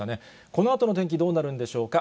このあとの天気、どうなるんでしょうか。